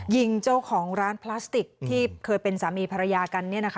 ยิงเจ้าของร้านพลาสติกที่เคยเป็นสามีภรรยากัน